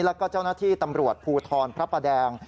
แล้วก็เจ้าหน้าที่ตำรวจภูทรพระประแดง